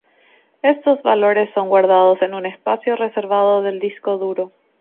Estos valores son guardados en un espacio reservado del disco duro.